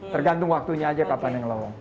tergantung waktunya aja kapan yang lowong